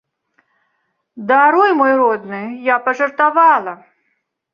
Даруй, мой родны, я пажартавала.